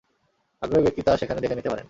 আগ্রহী ব্যক্তি তা সেখানে দেখে নিতে পারেন।